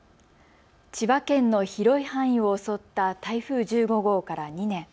千葉県の広い範囲を襲った台風１５号から２年。